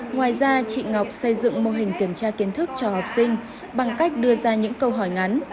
ngoài ra chị ngọc xây dựng mô hình kiểm tra kiến thức cho học sinh bằng cách đưa ra những câu hỏi ngắn